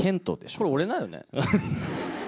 これ、俺だよね？